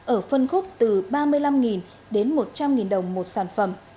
ở phân khúc từ ba mươi năm đến một trăm linh đồng một sản phẩm